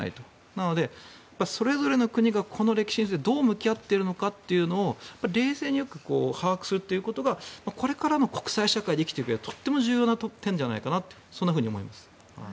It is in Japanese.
なので、それぞれの国がこの歴史についてどう向き合っているのかというのを冷静に把握することがこれからの国際社会で生きていくうえで大切じゃないかなと思います。